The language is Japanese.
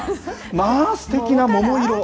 まあ、すてきな桃色。